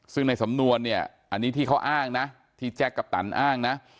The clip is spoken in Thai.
ซึ่งในสำนวนเนี่ยอันนี้ที่เขาอ้างนะที่แจ็คกัปตันอ้างนะ